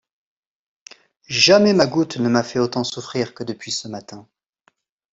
Jamais ma goutte ne m’a fait autant souffrir que depuis ce matin !